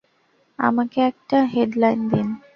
আমাকে একটা হেডলাইন দিন।